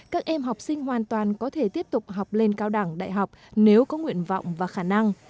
các em học sinh hoàn toàn có thể tiếp tục học lên cao đẳng đại học nếu có nguyện vọng và khả năng